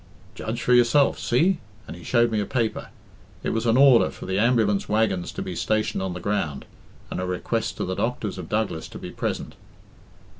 'Judge for yourself see,' and he showed me a paper. It was an order for the ambulance waggons to be stationed on the ground, and a request to the doctors of Douglas to be present."